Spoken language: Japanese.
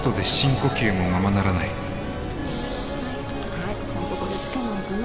はいちゃんとこれつけないとね。